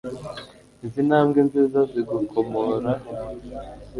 izi ntambwe nziza zigukomoraho